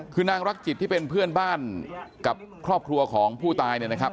คือนางรักจิตที่เป็นเพื่อนบ้านกับครอบครัวของผู้ตายเนี่ยนะครับ